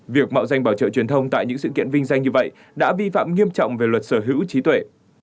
việc mạo danh bảo trợ truyền thông tại những sự kiện vinh danh như vậy đã vi phạm nghiêm trọng về luật sở hữu trí tuệ